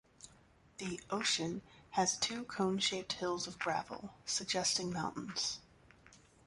The "Ocean" has two cone-shaped hills of gravel, suggesting mountains.